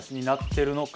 なってる！